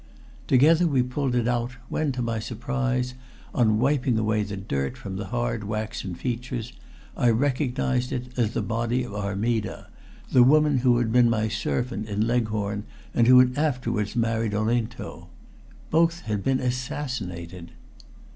Together we pulled it out, when, to my surprise, on wiping away the dirt from the hard waxen features, I recognized it as the body of Armida, the woman who had been my servant in Leghorn and who had afterwards married Olinto. Both had been assassinated!